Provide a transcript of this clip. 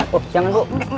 bu jangan bu